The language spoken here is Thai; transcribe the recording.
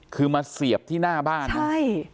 คือมาเสียบที่หน้าบ้านใช่